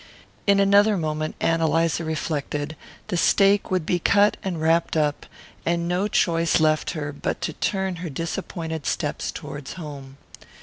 In another moment, Ann Eliza reflected, the steak would be cut and wrapped up, and no choice left her but to turn her disappointed steps toward home.